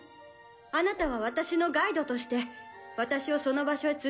あなたは私のガイドとして私をその場所へ連れていき